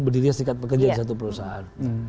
berdiri asli pekerja di satu perusahaan